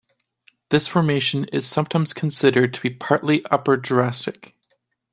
This formation is sometimes considered to be partly Upper Jurassic.